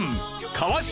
川島